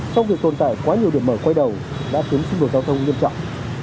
trong việc tồn tại quá nhiều điểm mở quay đầu đã khiến sinh vụ giao thông nghiêm trọng